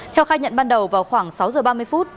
theo khai nhận ban đầu vào khoảng sáu giờ ba mươi phút